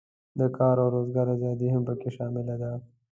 د کار او روزګار آزادي هم پکې شامله ده.